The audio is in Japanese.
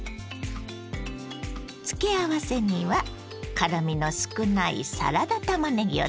付け合わせには辛みの少ないサラダたまねぎを使います。